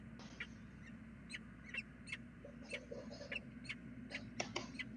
Ha sido internacional con la selección de fútbol de Gales en una ocasión.